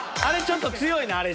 あれちょっと強いな。